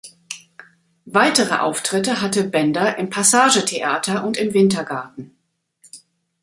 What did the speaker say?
Weitere Auftritte hatte Bender im Passage-Theater und im Wintergarten.